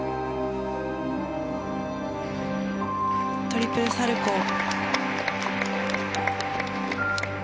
トリプルサルコウ。